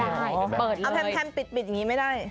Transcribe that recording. เอาแพมปิดอย่างนี้ไม่ได้